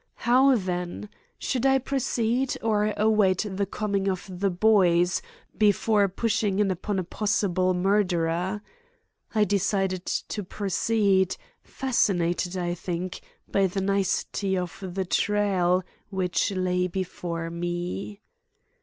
How then? Should I proceed or await the coming of the "boys" before pushing in upon a possible murderer? I decided to proceed, fascinated, I think, by the nicety of the trail which lay before me.